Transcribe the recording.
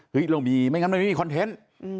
เห้ยเรามีไม่งั้นมันไม่มีคอนเทนต์